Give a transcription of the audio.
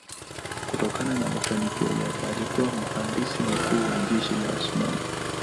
Kutokana na mafanikio yake alikuwa mhandisi mkuu wa jeshi la Osmani.